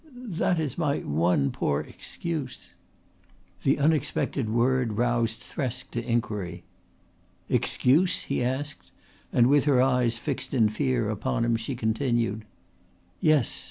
"That is my one poor excuse." The unexpected word roused Thresk to inquiry. "Excuse?" he asked, and with her eyes fixed in fear upon him she continued: "Yes.